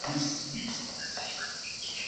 ته ولي خپلواکه څېړنه نه کوې؟